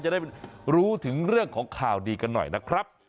จะได้รู้ถึงเรื่องของข่าวดีกันหน่อยนะครับ